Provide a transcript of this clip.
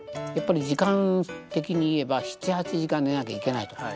やっぱり時間的に言えば７８時間寝なきゃいけないと。